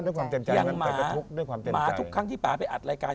อย่างหมาหมาทุกครั้งที่ป๊าไปอัดรายการ